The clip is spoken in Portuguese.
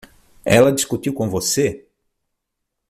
Ela discutiu com você?